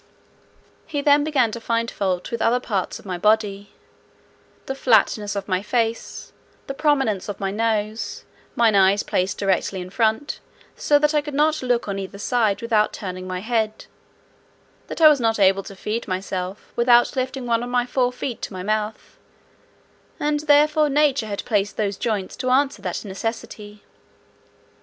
He then began to find fault with other parts of my body: "the flatness of my face, the prominence of my nose, my eyes placed directly in front, so that I could not look on either side without turning my head: that I was not able to feed myself, without lifting one of my forefeet to my mouth: and therefore nature had placed those joints to answer that necessity.